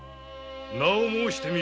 名を申してみよ。